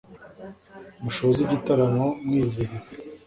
Mushoze igitaramo mwizihiwe